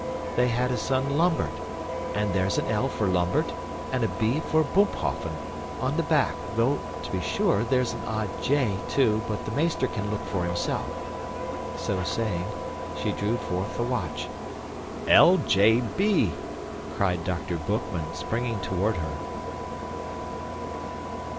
"They had a son Lambert, and there's an L for Lambert and a B for Boomphoffen, on the back, though, to be sure, there's an odd J, too, but the meester can look for himself." So saying, she drew forth the watch. "L.J.B.!" cried Dr. Boekman, springing toward her.